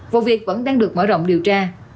vụ việc vẫn đang được mở rộng điều tra